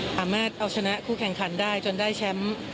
สามารถเอาชนะคู่แข่งขันได้จนได้แชมป์